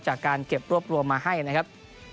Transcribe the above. จากการเก็บรวบรวมมาให้นะครับ